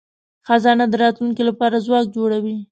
خزانه د راتلونکي لپاره ځواک جوړوي.